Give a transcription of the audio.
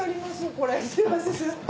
これすみません。